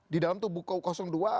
di dalam tubuh dua